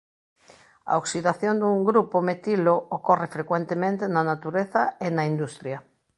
A oxidación dun grupo metilo ocorre frecuentemente na natureza e na industria.